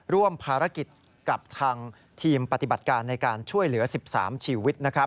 ร่วมภารกิจกับทางทีมปฏิบัติการในการช่วยเหลือ๑๓ชีวิต